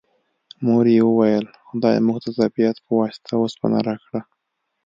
مور یې وویل خدای موږ ته د طبیعت په واسطه اوسپنه راکړه